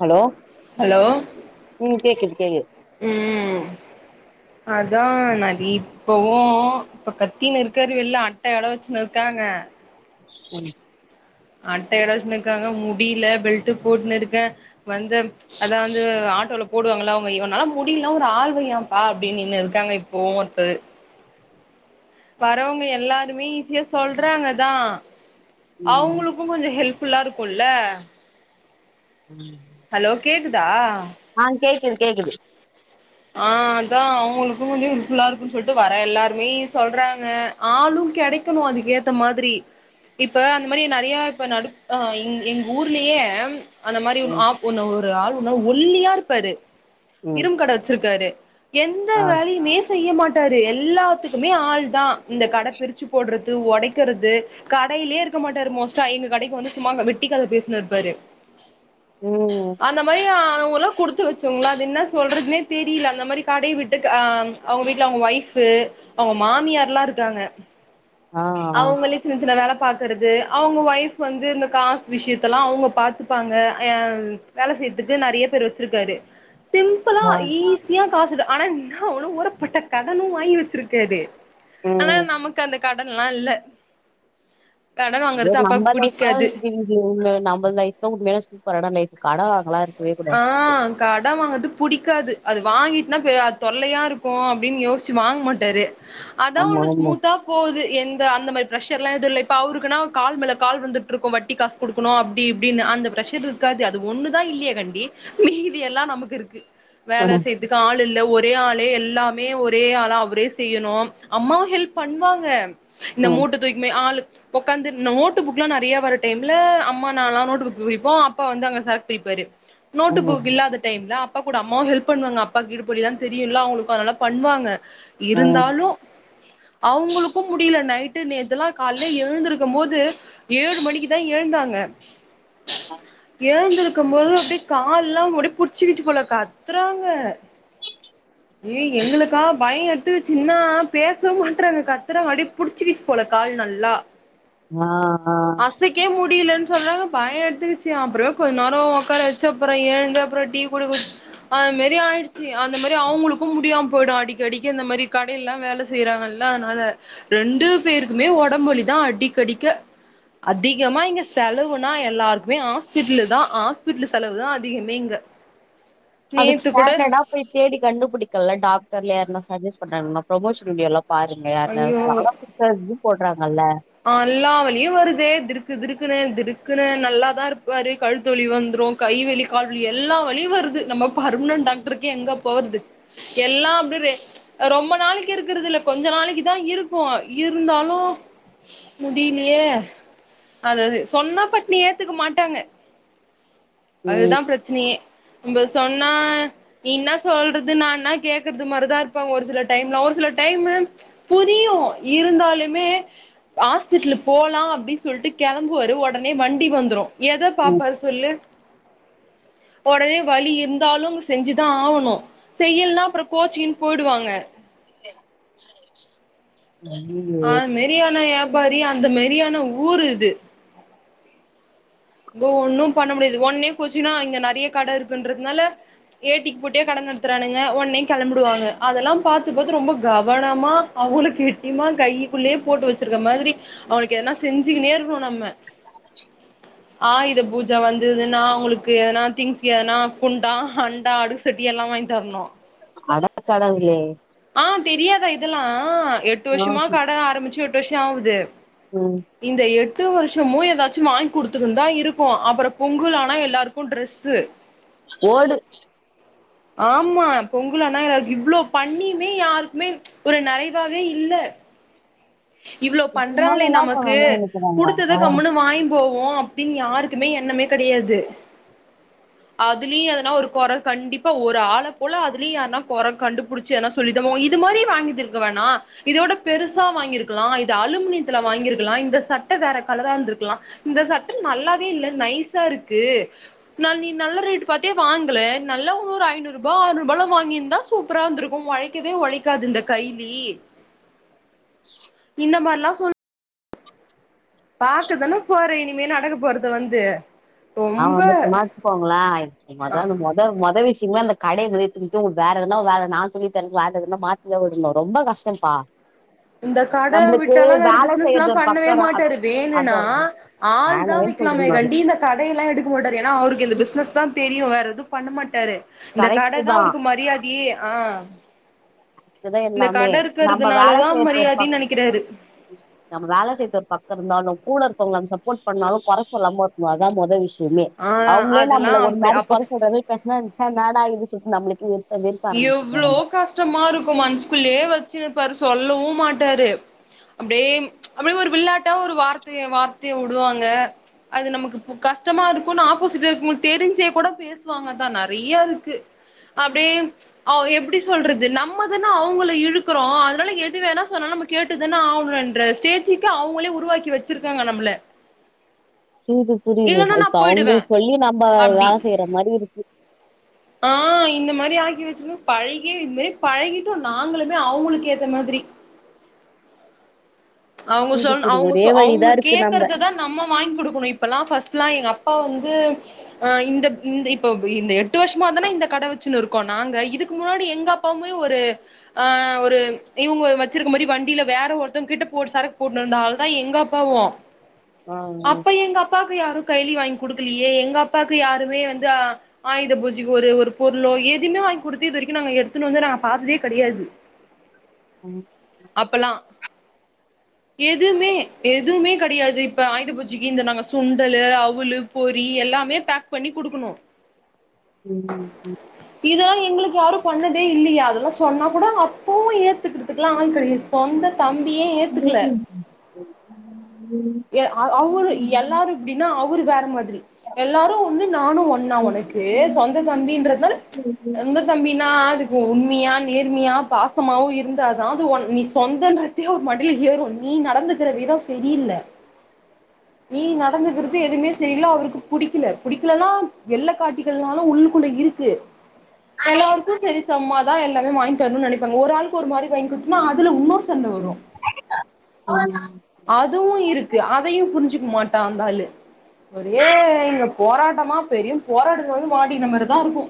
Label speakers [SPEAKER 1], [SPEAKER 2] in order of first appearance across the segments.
[SPEAKER 1] hello
[SPEAKER 2] hello
[SPEAKER 1] ம் கேக்குது கேக்குது
[SPEAKER 2] ம் அதா நாங்க இப்பவு இப்ப கத்தின்னு இருக்காரு வெள்ல அட்டயோட வெச்சுன்னு இருக்காங்க
[SPEAKER 1] ம்
[SPEAKER 2] அட்ட எடச்சன்னு இருக்காங்க முடில பெல்ட் போட்டுன்னு இருக்கே வந்த அதா வந்து ஆட்டோல போடுவாங்கள அவங்க இவனால முடில்னா ஒரு ஆள் வெய்யெம்ப்பா அப்டின்னு இருக்காங்க இப்போவு ஒருத்தரு வரவங்க எல்லாருமே ஈஸியா சொல்றாங்க தா
[SPEAKER 1] ம்
[SPEAKER 2] அவங்களுக்கு கொஞ்சோ ஹெல்ப் ஃபுல்லா இருக்குல்ல
[SPEAKER 1] ம்
[SPEAKER 2] ஹலோ கேக்குதா
[SPEAKER 1] அ கேக்குது கேக்குது
[SPEAKER 2] ஆ அதா அவங்களுக்கு வந்து ஹெல்ப்ஃபுல்லா இருக்குன்னு சொல்ட்டு வரே எல்லாருமே சொல்றாங்க ஆளு கெடைக்கணு அதுக்கு ஏத்த மாதிரி இப்ப அந்த மாரி நெறைய இப்ப நடுக் அ அ எங்க ஊர்லேயே அந்த மாரி ஒரு
[SPEAKER 1] ம்
[SPEAKER 2] ஆப் ஒன்ன ஒரு ஆள் ஒன்ன ஒல்லியா இருப்பாரு
[SPEAKER 1] ம்
[SPEAKER 2] இரும்புக் கட வெச்சிருக்காரு எந்த
[SPEAKER 1] ஆ
[SPEAKER 2] வேலையுமே செய்ய மாட்டாரு எல்லாத்துக்குமே ஆள் தா இந்த கட பிரிச்சு போடுறது ஒடைக்கிறது கடையிலயே இருக்க மாட்டாரு மோஸ்ட்டா எங்க கடைக்கு வந்து சும்மா அங்க வெட்டி கத பேசினு இருப்பாரு
[SPEAKER 1] ம்
[SPEAKER 2] அந்த மாரி அவ்ங்களா குடுத்து வச்சவங்களா அது என்ன சொல்றதுனே தெரில அந்த மாரி கடையை விட்டு ஆ அவங்க வீட்டுல அவங்க வொய்ஃபு அவங்க மாமியார்ல்லா இருக்காங்க
[SPEAKER 1] ஆ
[SPEAKER 2] அவங்கலே சின்னச் சின்ன வேல பாத் க்கிறது அவங்க ஒய்ஃப் வந்து இந்த காசு விஷயத்தலா அவங்க பாத்துப்பாங்க ஆ வேல செய்யறதுக்கு நெறைய பேர் வெச்சிருக்காரு
[SPEAKER 1] ஆ
[SPEAKER 2] ஈஸியா காசு ஆனா இன்னா உ ஊரப்பட்ட கடனு வாங்கி வச்சிருக்காரு ஆனா நமக் கு அந்த கடன் எல்லா இல்ல கடன்
[SPEAKER 1] சேரி
[SPEAKER 2] வாங்குறது
[SPEAKER 1] நம்ம
[SPEAKER 2] அப்பாக்கு
[SPEAKER 1] லைஃப்தா
[SPEAKER 2] புடிக்காது
[SPEAKER 1] இங்கியு உண்மையிலே நம்ம லைஃப்தா உண்மைல சூப்பரான லைஃப் கடன் வாங்கல
[SPEAKER 2] ஆ கட வாங்கறது புடிக்காது அது வாங்கிட்டுனா அது தொல்லையா இருக்கு அப்டின்னு யோசிச்சு வாங்க மாட்டாரு அதா
[SPEAKER 1] ஆமா
[SPEAKER 2] ஒண்ணு
[SPEAKER 1] ஆமா
[SPEAKER 2] ஸ்மூத்தா போகுது எந்த அந்த மாரி பிரஷர் எல்லா எதுவு இல்ல இப்ப அவருக்குன்னா கால் மேல கால் வந்துட்டு இருக்கு வட்டி காசு குடுக்கணு அப்டி இப்டின்னு அந்த பிரஷர் இருக்காது அது ஒன்னு தா இல்லையே கண் டி மீதி எல்லா நமக்கு இருக்கு வேல செய்த்து கு ஆள் இல்ல ஒரே ஆளே எல்லாமே ஒரே ஆளா அவரே செய்யணு அம்மாவு ஹெல்ப் பண்ணுவாங்க இந்த
[SPEAKER 1] ம்
[SPEAKER 2] மூட்ட தூக்கினு போயி ஆளு ஒக்காந்து நோட் புக்லா நெறைய வர டைம்ல அம்மா நான்லா நோட் புக் விப்போ அப்பா வந்து அங்க சரக்கு தூக்கிப்பாரு நோட்டு
[SPEAKER 1] ம் ம்
[SPEAKER 2] புக் இல்லாத டைம்ல அப்பா கூட அம்மாவு ஹெல்ப் பண்ணுவாங்க அப்பாக்கு இடுப்பு வலிலா தெரியுல அவுங்களுக்கு அதனால பண்ணுவாங்க இருந்தாலு அவுங்குளுக்கு முடியல நைட்டு நேத்தெல்லா கால்லே எழுந்திருக்குமோது ஏழு மணிக்குதா எழுந்தாங்க
[SPEAKER 1] ஆ
[SPEAKER 2] எழுந்திருக்குமோது அப்டி கால்லா முடி புடிச்சிக்கிச்சு போல கத்துறாங்க ஏய் எங்களுக்கா பய்ன் எடுத்துகிச்சி இன்னா பேசவ்மாட்றாங்க கத்தறங்கா அப்டி புடிச்சிக்கிச்சு போல கால் நல்லா
[SPEAKER 1] வா ஆ
[SPEAKER 2] கே முடியலன் சொல்ல பயோ எடுத்துகிச்சு அப்றோ கொஞ்ச நேரோ ஒக்கார சப்றோ எழுந்து அப்றோ டீ கூட குடி அது மாதிரி ஆயிடுச்சு அந்த மாரி அவங்களுக்கு முடியாம போயிடு அடிக்கடிக்கு இந்த மாரி கடையில்லா வேல செய்யறாங்கல்ல அத்னால ரெண்டு பேருக்குமே ஒடம்பு லலா தா அடிக்கடிக்கு அதிகமா இங்க செலவுனா எல்லாருக்குமே ஹாஸ்பிட்லு தா ஹாஸ்பிட்லு செலவுதா அதிகமே இங்க
[SPEAKER 1] அதுக்
[SPEAKER 2] நேத்து கூட
[SPEAKER 1] ஸடாண்டர்டா போய் தேடி கண்டுபிடிக்கல்ல டாக்டர்ல் யார்னா சஜஸ்ட் பண்றாங்னா ப்ரமோஷ்னல் வீடியோல்லா பாரு ஆ யார்னா
[SPEAKER 2] ஐயோ
[SPEAKER 1] [inaudible] இது போடுறாங்கல்ல
[SPEAKER 2] அல்லா வலியு வருது திடுக்கு திடுக்குனு திடுக்குனு நல்லாதா இருப்பாரு கழுத்துவலி வந்துரு கைவலி கால்வலி எல்லா வலி வருது நம்ம பர்மனன்ட் டாக்டருக்கு எங்க போற்து எல்லா அப்டி ரெ ரொம்ப நாளைக்கு இருக்குறதில்ல கொஞ்ச நாளைக்கு தா இருக்கூ இருந்தாலு முடிலியே அதது சொன்னா பட்னு ஏத்துக்க மாட்டாங்க
[SPEAKER 1] ம்
[SPEAKER 2] அதுதா ப்ரச்சினையே நம்ப சொன்னா நீ என்ன சொல்றது நா என்ன கேக்கற்து மார்தா இருப்பாங்க ஒரு சில டைம்லா ஒரு சில டைமு புரியு இருந்தாலுமே ஹாஸ்பிட்லுக் போலா அப்டின் சொல்ட்டு கெளம்புவாரு ஒடனே வண்டி வந்துரு எத
[SPEAKER 1] ம்
[SPEAKER 2] பாப்பாரு சொல்லு ஒடனே வலி இந்தாலும் செஞ்சுதா ஆவணு செய்யல்னா அப்றோ கோச்சிகின் போய்டுவாங்க
[SPEAKER 1] ஐயோ
[SPEAKER 2] ஆ மேரியான வியாபாரி அந்த மேரியான ஊரு இது போ ஒன்னும் பண்ண முடியாது ஒன்னே போச்சுன்னா இங்க நறைய கட இருக்குன்றதுனால ஏட்டிக்கு போட்டியா கட நடத்துறானுங்க ஒட்ன்னே கெளம்பிடுவாங்க அதெல்லா பாத்து பாத்து ரொம்ப கவனமா அவுங்ளு கெட்டிமா கைக்குள்ளயே போட்டு வச்சிருக்க மாதிரி அவனுக்கு எதனா செஞ்சுக்கினே இருக்ண நம்ம ஆயுத பூஜா வந்ததுன்னா அவுங்களுக்கு எதனா திங்ஸ் எதனா குண்டா அண்டா அடு செட்டி எல்லா வாங்கி தர்ணு
[SPEAKER 1] அட கடவுளே
[SPEAKER 2] ஆ தெரியாதா இதுல்லா எட்டு
[SPEAKER 1] ஆஹா
[SPEAKER 2] வருஷமா கட ஆரம்பிச்சு எட்டு வருஷோ ஆவுது
[SPEAKER 1] ம்
[SPEAKER 2] இந்த எட்டு வருஷமு எதாச்சு வாங்கி குடுத்துக்குன் தா இருக்கோ அப்றோ பொங்கல் ஆனா எல்லாருக்கூ ட்ரெஸ்ஸு
[SPEAKER 1] ஓடு
[SPEAKER 2] ஆம்மா பொங்கலானா எல்லாருக்கு இவ்ளோ பண்ணிமே யாருக்குமே ஒரு நறைவாவே இல்ல
[SPEAKER 1] [inaudible]
[SPEAKER 2] இவ்ளோ
[SPEAKER 1] இதுக்கு மேல
[SPEAKER 2] பண்றாங்களே
[SPEAKER 1] என்ன
[SPEAKER 2] நமக்கு
[SPEAKER 1] பண்ணணும்னு நெனைக்கிறாங்க
[SPEAKER 2] குடுத்தத
[SPEAKER 1] ஆ
[SPEAKER 2] கம்முனு வாங்கினு போவோ பட்டின் யாருக்குமே எண்ணமே கெடையாது அதுலயு எதனா ஒரு கொற கண்டிப் ப ஒரு ஆள போல அதுலயி யார்னா கொற கண்டுபிடிச்சு எதனா சொல்லி இதமோயி இது மாரி வாங்கிட்டுருக்க வேணா இதோட பெருசா வாங்கிருக்கலா இது அலுமினியத்துல வாங்கிருக்கலா இந்த சட்ட வேற கலரா இருந்திருக்கலா இந்த சட்ட நல்லாவே இல்ல நைஸாருக்கு நால் நீ நல்ல ரேட்டு பாத்தே வாங்கல நல்லவுன் நூறு ஐநூருபா ஆர்நூருபால வாங்கிந்தா சூப்பரா இந்த்துருக்கும் ஒழைக்கிதே ஒழைக் க்காது இந்தக் கைலி இந்த மார்லாச் பாக்கதானப் போற இனிமே நடக்க போறத வந்து
[SPEAKER 1] நா
[SPEAKER 2] ரொம்ப
[SPEAKER 1] வந்துட்டனா வச்சுக்கோங்களே எனக் மொத அந்த மொத மொத விஷ்யங்ளாங் அந்த கடைய வேத்தும்தும் வேறெதனா வேல நா சொல்லித்தரன் வேற எதனா மாத்தா விடணு ரொம்ப கஷ்டம்ப்பா [inaudible]
[SPEAKER 2] இந்தக் கட
[SPEAKER 1] நம்மளுக்கு
[SPEAKER 2] விட்டாலா வேற
[SPEAKER 1] வேல செய்யறது
[SPEAKER 2] பிசினஸ்லாம்
[SPEAKER 1] ஒரு பக்கோ
[SPEAKER 2] பண்ணவே
[SPEAKER 1] அத
[SPEAKER 2] மாட்டாரு
[SPEAKER 1] அத
[SPEAKER 2] வேணுனா ஆள்தா
[SPEAKER 1] வேணவே சொல்றே
[SPEAKER 2] வக்லாமே
[SPEAKER 1] நானு
[SPEAKER 2] கண்டி இந்தக் கடையிலா எடுக்க மாட்டாரு ஏனா அவுருக்கு இந்த பிசினஸ்தா தெரியு வேற எதும் பண்ண மாட்டாரு இந்தக்
[SPEAKER 1] கரெக்ட்
[SPEAKER 2] கடதா
[SPEAKER 1] தா
[SPEAKER 2] அவுருக்கு மரியாதியே ஆ
[SPEAKER 1] அதுதா
[SPEAKER 2] இந்த
[SPEAKER 1] எல்லாமே
[SPEAKER 2] கட
[SPEAKER 1] நம்ம வேல
[SPEAKER 2] இருக்கிறதுனாலதா
[SPEAKER 1] செய்யர்த் ஒரு பக்
[SPEAKER 2] மரியாதைன்னு நெனைக்கிறாரு
[SPEAKER 1] நம்ம வேல செய்யர்த் ஒரு பக்கருந்தாலு கூட இருக்கறவங்களம் சப்போர்ட் பண்ணாலும் கொற சொல்லாம இருக்னு அதா மொத விஷ் சிமே
[SPEAKER 2] ஆ
[SPEAKER 1] அவுங்ளே
[SPEAKER 2] அதெல்லா
[SPEAKER 1] நம்ள ஒரு
[SPEAKER 2] அப்டி
[SPEAKER 1] மாரி
[SPEAKER 2] அப்ப
[SPEAKER 1] கொற சொல்ற மேர் பேச்னான் ச்சே என்னாடா இது சொல்ட்டு நம்ளுக்கு வெத் த வெறுக்க ஆரம்பிச்சுருவோ நம்ப
[SPEAKER 2] ஷ்டமாருக்கும் மன்சுக்குள்ளியே வச்சுனுப்பாரு சொல்லவும் மாட்டாரு அப்டியே ம் அப்டியே ஒரு விள்ளாட்டா ஒரு வார்த்தைய வார்த்தைய வுடுவாங்க அது நமக்கு இப்ப கஷ்டமாருக்குன்னு ஆப்போசிட்ல இருக்கவுங்களுக் தெரிஞ்சே கூடப் பே பேச்வாங்கதா நெறைய்யருக்கு அப்டியே எப்டி சொல்றது நம்மதானா அவுங்கள இழுக்கறோ அதனால எது வேணா சொன்னாலும் நம்மக் கேட்டுதான ஆவுனென்ற ஸ்டேஜுக்கு அவுங்களே உருவாக்கி வச்சிருக்காங்க நம்ள
[SPEAKER 1] புரிது புரிது இப்ப அவுங்க
[SPEAKER 2] போயிடுவே
[SPEAKER 1] சொல்லி நம்ம வேல
[SPEAKER 2] அப்டி
[SPEAKER 1] செய்ற மாரி இருக்கு
[SPEAKER 2] ஆ இந்த மாரி ஆக்கி வச்சினு பழகி இந் மேரி பழகிட்டு நாங்களுமே அவுங்குளுக் ஏத்த மாதிரி அவுங்க
[SPEAKER 1] புரியுது
[SPEAKER 2] சொல்ன்
[SPEAKER 1] புரியுது
[SPEAKER 2] அவுங்க
[SPEAKER 1] ஒரே
[SPEAKER 2] சொ அவுங்க
[SPEAKER 1] வழிதா இருக்கு நம்ப
[SPEAKER 2] கேக்கறதுதான் நம்ம வாய்ங் குடுக்குணு இப்பலா ஃபஸ்ட்லா எங்கப்பா வந்து அ இந்தப் இந்த இப்பப் இந்த எட்டு வர்ஷமாதானா இந்தக் கட வச்சுனுருக்கோ நாங்க இதுக்கு முன்னாடி எங்கப் பாமே ஒரு ஆ ஒரு இவுங்க வ வச்சிருக்க மாரி வண்டில வேற ஒருத்தங் கிட்டப் போட் சரக்கு போட்னுருந்த ஆள்தா எங்கப்பாவு அப்ப எங்கப் ப்பாக்கு யாரு கைலி வாய்ங் குடுக்கிலியே எங்கப்பாக்கு யாருமே வந்து அ ஆயுத பூஜைக்கு ஒரு ஒருப் பொருளோ எதிமே வாய்ங் குடுத்து இது வரிக்கு நாங்க எடுத்துனு வந்து நாங்க பாத்ததே கெடையாது
[SPEAKER 1] ம்
[SPEAKER 2] அப்பலா எதுமே எதுவுமே கெடையாதுப் இப்ப ஆயுத பூஜிக்கு இந்த நாங்க சுண்டலு அவுளுப் பொரி எல்லாமே பேக் பண்ணி குடுக்குணு
[SPEAKER 1] ம் ம்
[SPEAKER 2] இதலா எங்ளுக்கு யாரும் பண்ணதே இல்லியே அதலா சொன்னா கூட அங்க அப்பவு ஏத்துக்கிறதுக்லா ஆள் கெடையாது சொந்தத் தம்பியே ஏத்துக்குல எ ஆ அவுரு எல்லாரு இப்டினா அவுரு வேற மாதிரி எல்லாரு ஒன்னு நானு ஒன் நா ஒனக்கு சொந்த தம்பின்றதனால இந்த தம்பினா அதுக்கு உண்மியா நேர்மியா பாசமாவோ இருந்தாதா அது ஒன் நீ சொந்தன்றத்தியே ஒரு மண் டைல ஏறு நீ நடந்துகிற வித செரியில்ல
[SPEAKER 1] [inaudible]
[SPEAKER 2] நீ நடந்துகிறது எதுமே செரில அவுருக்கு புடிக்கில புடிக்கிலலாம் வெள்ள காட்டிகள்னாலு உள்ளுகுள்ள இருக் கு எல்லாருக்கு செரிச் சம்மாதா எல்லாமே வாய்ங்த் தர்னுன் நெனைப்பாங்க ஒரு ஆள்க்கு ஒரு மாரி வாய்ங் குத்துனா அதுல வுன்னோரு சண்ட வரு
[SPEAKER 1] ஆமாமா
[SPEAKER 2] அதுவு இருக்கு அதையு புரிஞ்சுக் மாட்டா அந்தாளு ஒரே இங்கப் போராட்டமா பெரியும் போராட்டத்துக்கு வந்து மாட்டிகிட்ட மாரிதாருக்கு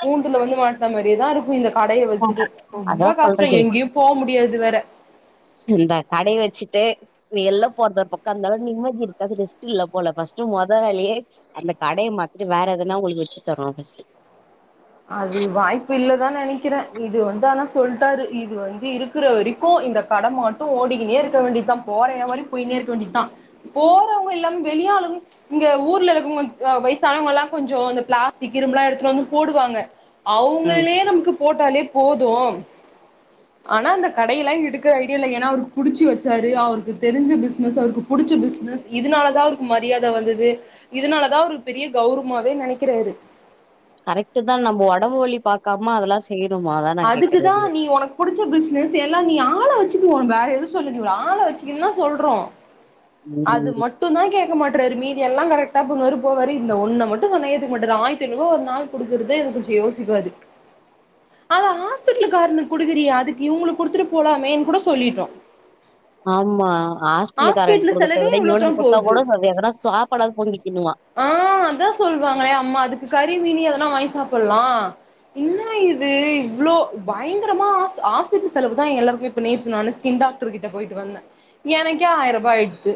[SPEAKER 2] கூண்டுல வந்து மாட்ன மாரியேதா இருக்கு இந்தக் கடைய வச்சுட்டு
[SPEAKER 1] அதா
[SPEAKER 2] ரொம்ப கஷ்ட
[SPEAKER 1] சொல்றதே
[SPEAKER 2] எங்கியும் போமுடியாது வேற
[SPEAKER 1] இந்த கடை வச்சிட்டு வெள்ல போறத பக்கோ அந்தளவு நிம்மதி இருக்காது ரெஸ்ட் இல்ல போல ஃபர்ஸ்ட்டு மொத வேலயே அந்த கடைய மாத்திட்டு வேற எதனா ஒங்களுக்கு வச்சு தர்றனு ஃபஸ்ட்டு
[SPEAKER 2] அது வாய்ப்பு இல்ல தா நெனைக்கிறே இது வந்து ஆனா சொல்ட்டாரு இது வந்து இரு க்ற வரைக்கு இந்த கட மட்டு ஓடிக்கினே இருக்க வேண்டிதா போறய வர போய்னேருக்க வேண்டிதா போறோங்க எல்லாம் வெளியாளு இங்க ஊர்ல இருக்கோங் வயசானவங்கல்லா கொஞ்சொ இந்த பிளாஸ்டிக் இரும்புலா எடுத்துட்டு வந்து போடு வாங்க
[SPEAKER 1] ம்
[SPEAKER 2] அவுங்களே நமக்கு போட்டாலே போது ஆனா அந்த கடயெல்லா எடுக்குற ஐடியாயில்ல ஏனா அவ்ருக்கு புடிச்சு வச்சாரு அவருக்கு தெரிஞ்ச பிசினஸ் அவ்ருக்கு புடிச்ச பிசினஸ் இதனால தா அவர்க்கு மரியாத வந்தது இதுனால தா அவ்ருக்கு பெரிய கௌர்வ்மாவே நெனைக்கிறாரு
[SPEAKER 1] கரெக்ட்டு தா நம்ப ஒடம்பு வலி பாக்காம அதல்லா செய்ணுமா அதா நா
[SPEAKER 2] அதுக்குதான்
[SPEAKER 1] கேக்குறது
[SPEAKER 2] நீ உனக்கு புடிச்ச பிசினஸ் எல்லா நீ ஆள வச்சுக்கோ ஒனக்கு வேற எது சொல்ல நீ ஒரு ஆள வச்சுக்கன் தா சொல்றோ அது
[SPEAKER 1] ம்
[SPEAKER 2] மட் டுந்தா கேக்க மாட்றாரு மீதி எல்லா கரெக்டா பண்ணுவாரு போவாரு இந்த ஒன்ன மட்டு சொன்ன ஏத்துக்க மாட்டாரு ஆய்ர்த்தை ஐநூறுவா ஒரு நாள் குடுக்குறுதே இத கொஞ்சொ யோசிப்பாரு அல ஆஸ்பிட்லு கார்னுக் குடுக்குறியே அதுக்கு இவுங்ளுக்கு குடுத்துட்டு போலாமேன் கூட சொல்லிட்டோ
[SPEAKER 1] ஆமா ஆஸ்பிட்லுக்காரனுக்கு
[SPEAKER 2] ஹாஸ்பிட்டல்
[SPEAKER 1] குடுக்குறத
[SPEAKER 2] செலவே
[SPEAKER 1] விட
[SPEAKER 2] இவ்ளோ தூரோ
[SPEAKER 1] இவனுக்கு குட்த்தா
[SPEAKER 2] போகுது
[SPEAKER 1] கூட அது எங்கனா சாப்பாடாது பொங்கி திண்ணுவா
[SPEAKER 2] ஆ அதா சொல்லுவாங்ளே அம்மா அதுக்கு கறி மீனு எதனா வாங்கி சாப்பலா இன்னா இது இவ்ளோ பயங்கரமா ஆஸ்பத்திரி செலவு தா எல்லாருக்குமே இப்ப நேத்து நானு ஸ் கின் டாக்ரு கிட்ட போய்ட்டு வந்தே எனக்கே ஆயரூபா ஆயிட்து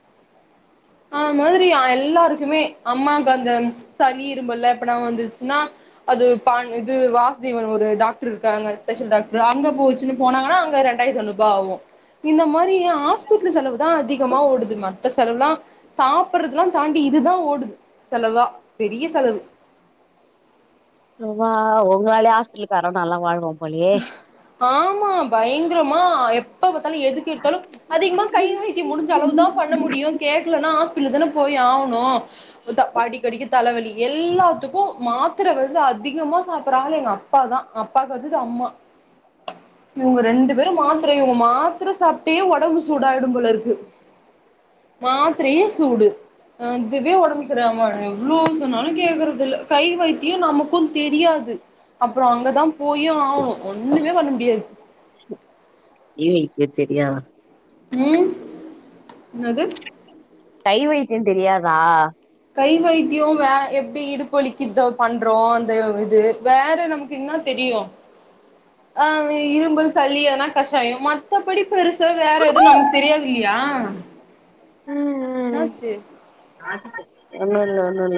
[SPEAKER 1] [inaudible]
[SPEAKER 2] அந்த மாதிரி எல்லாருக்குமே அம்மாக்கு அந்த சளி இரும்பல்லா எப்பனா வந்துச்சுன்னா அது பான் இது வாசுதேவன் ஒரு டாக்ரு இருக்காங்க ஸ்பெஷல் டாக்ரு அங்க போச்சு போனாங்கன்னா அங்க ரெண்டாய்த் ஐநூறு பா வு இந்த மாரி ஆஸ்பிட்டல் செலவுதா அதிகமா ஓடுது மத்த செலவ்லா சாப்பறதுல்லா தாண்டி இதுதா ஓடுது செலவ்வா பெரிய செலவு
[SPEAKER 1] [unintelligible] ஒங்ளாலே ஆஸ்பிட்லுக்காரே நல்லா வாழ்றா
[SPEAKER 2] ஆமா பயங்ரமா எப்ப பாத்தாலு எதுக்கெடுத்தாலு அதிகமா கைவை த்தி முடிஞ்சளவு தா பண்ண முடியு கேக்லன்னா ஆஸ்பிட்லு தானே போய் ஆவ்ணு படிக்கடிக்கி தலவலி எல்லாத்துக்கு மாத்ர வந்து அதிகமா சாப்பற ஆளு எங்க ப்பாதா அப்பாகடுத்தது அம்மா இவுங்க ரெண்டு பேரும் மாத்ர இவுங்க மாத்ர சாப்ட்டே ஒடம்பு சூடாயிடும் போலருக்கு மாத்ரேயே சூடு அதுவே ஒடம்பு சரிஆகாமாயிடு எவ்ளோ சொன்னாலு கேக்குறது இல்ல கை வைத்தியோ நமக்கு தெரியாது அப்றோ அங்கதா போயே ஆவ்னு ஒண்ணுமே பண்ண முடியாது
[SPEAKER 1] ஏ வைத்தியோ தெரியா
[SPEAKER 2] ம் என்னது
[SPEAKER 1] கை வைத்தியோ தெரியாதா
[SPEAKER 2] கை வைத்தியோ வே எப்டி இடுப்புவலிக்கு இதோ பண்றோ அந்த இது வேற நமக்கு இன்னா தெரியு
[SPEAKER 1] [inaudible]
[SPEAKER 2] ஆ இரும்பல் சளி எதனா கஷாயோ மத்தபடி பெரு சா வேற எது நம்க்கு தெரியாதில்லயா இன்னாச்சு
[SPEAKER 1] ஒண்ணுல்ல ஒண்ணுல்ல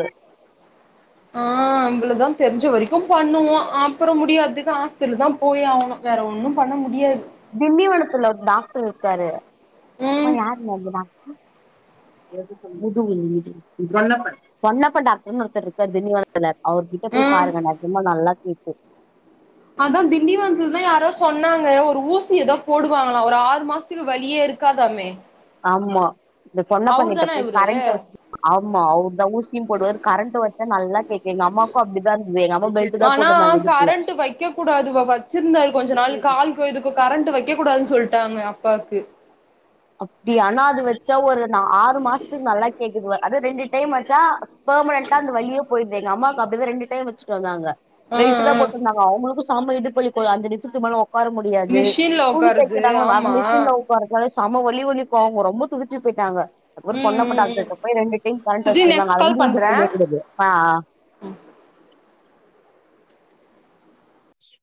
[SPEAKER 2] ஆ அவ்ளோ தா தெரிஞ்ச வரைக்கு பண்ணுவோ அப்றோ முடியாதுக்கு ஆஸ்பிட்டலு தா போய் ஆவுனு வேற ஒண்ணு பண்ண முடியாது
[SPEAKER 1] திண்டிவனத்துல ஒரு டாக்ட்ரு இருக்காரு
[SPEAKER 2] ம்
[SPEAKER 1] பொன்னப்பன் டாக்ருனு ஒருத்தர்ருக்காரு திண்டிவனத்துல அவுர் கிட்ட போய்
[SPEAKER 2] ம்
[SPEAKER 1] பாருங்க நெஜமா நல்லா கே
[SPEAKER 2] அதா திண்டிவனத்துலதா யாரோ சொன்னாங்க ஒரு ஊசி எதோ போடுவாங்களா ஒரு ஆறு மாஸ் துக்கு வலியே இருக்காதாமே
[SPEAKER 1] ஆம்மா இந்த சொன்ன
[SPEAKER 2] அவரு
[SPEAKER 1] பண்ணிட்ட
[SPEAKER 2] தான
[SPEAKER 1] போய்
[SPEAKER 2] இவரு
[SPEAKER 1] கரண்ட வச்சு ஆமா அவுர் தா ஊசியு போடுவரு கரண்ட் வச்சா நல்லா கேக்
[SPEAKER 2] ஆனா
[SPEAKER 1] போட்டுருந்தாங்க இடுப்பு
[SPEAKER 2] கரண்ட் வக்க கூடாது வச்சிருந்தா கொஞ்ச நாள் கால் இப்ப இதுக்கு கரண்ட் வக்க கூடாதுன் சொல்ட்டாங்க அப்பாக்கு
[SPEAKER 1] அப்டி ஆனா அது வச்சா ஒரு நா ஆறு மாசத்துக்கு நல்லா கேக்குது அதா ரெண்டு டைம் வச்சா பெர்மனன்ண்டா அந்த வழிய போயிர்து எங்கம்மாக்கு அப்டிதா ரெண்டு டைம் வெச்சுட்டு வந்தாங்க
[SPEAKER 2] ஆ
[SPEAKER 1] வெயிட்டு தா
[SPEAKER 2] ஆ
[SPEAKER 1] போட்டிருந்தாங்க அவங்ளுக்கு சம இடுப்பு வலிப்போயி அஞ்சுநிம்ஷத்துக்கு மேல உக்கார முடியாது
[SPEAKER 2] மிஷின்ல
[SPEAKER 1] துணி
[SPEAKER 2] உக்காருது
[SPEAKER 1] தெக்கிறாங்கள அத
[SPEAKER 2] ஆமா
[SPEAKER 1] மிஷின்ல உக்கார உக்கார சம வலி வலிக்கு அவ்ங்க ரொம்ப துடிச்சு போயிட்டாங்க ஒரு
[SPEAKER 2] ம்
[SPEAKER 1] பொண்ணப்ப
[SPEAKER 2] ம் ம்
[SPEAKER 1] டாக்டர்கிட்ட போய் ரெண்டு டைம் கரண்ட்
[SPEAKER 2] சுஜி
[SPEAKER 1] வச்சிர்தாங்க
[SPEAKER 2] நெக்ஸ்ட்
[SPEAKER 1] அது
[SPEAKER 2] கால்
[SPEAKER 1] வந்து இது
[SPEAKER 2] பண்றே
[SPEAKER 1] போய்னேகிது அது